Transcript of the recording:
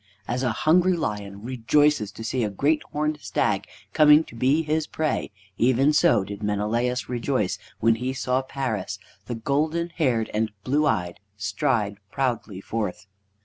As a hungry lion rejoices to see a great horned stag coming to be his prey, even so did Menelaus rejoice when he saw Paris, the golden haired and blue eyed, stride proudly forth.